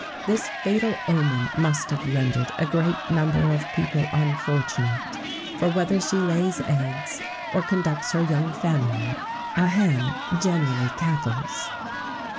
[XVII 18] This fatal omen must have rendered a great number of people unfortunate; for whether she lays eggs, or conducts her young family, a hen generally cackles.